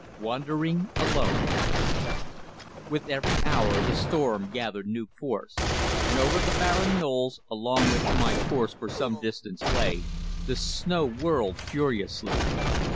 WANDERING ALONE With every hour the storm gathered new force, and over the barren knolls, along which my course for some distance lay, the snow whirled furiously.